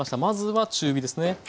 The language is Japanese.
まずは中火ですね。